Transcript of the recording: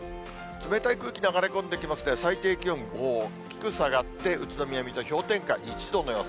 冷たい空気流れ込んできまして、最低気温大きく下がって、宇都宮、水戸、氷点下１度の予想。